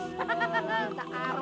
kita mau ketemu lagi sama jamu